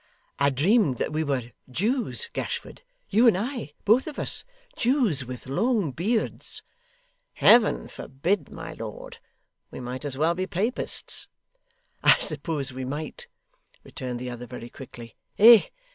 'I dreamed that we were Jews, Gashford. You and I both of us Jews with long beards.' 'Heaven forbid, my lord! We might as well be Papists.' 'I suppose we might,' returned the other, very quickly. 'Eh?